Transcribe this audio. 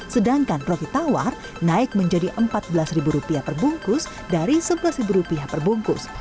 sedangkan roti tawar naik menjadi empat belas rupiah perbungkus dari sebelas rupiah perbungkus